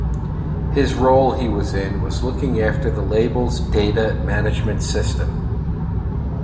His role he was in was looking after the labels data management system.